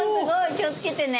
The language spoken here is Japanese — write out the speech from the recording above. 気をつけてね。